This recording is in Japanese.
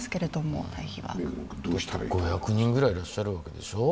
５００人ぐらいいらっしゃるわけでしょう。